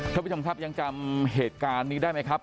ท่านผู้ชมครับยังจำเหตุการณ์นี้ได้ไหมครับ